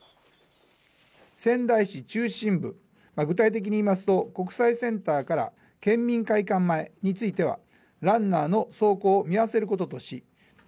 仙台市中心部、具体的に言いますと、国際センターから県民会館前については、ランナーの走行を見合わせることとし。